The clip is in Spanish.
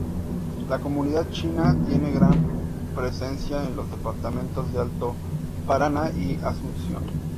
La comunidad china tiene gran presencia en los departamentos de Alto Paraná y Asunción.